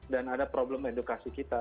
dan ada problem edukasi kita